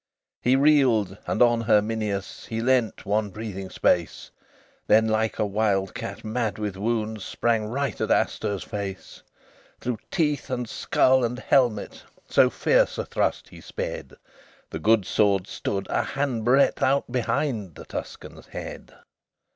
XLV He reeled, and on Herminius He leaned one breathing space; Then, like a wild cat mad with wounds, Sprang right at Astur's face. Through teeth, and skull, and helmet So fierce a thrust he sped, The good sword stood a hand breadth out Behind the Tuscan's head.